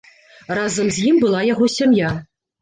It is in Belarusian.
Разам з ім была яго сям'я.